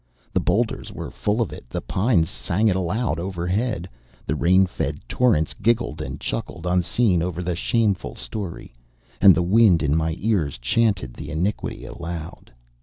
The bowlders were full of it; the pines sang it aloud overhead; the rain fed torrents giggled and chuckled unseen over the shameful story; and the wind in my ears chanted the iniquity aloud.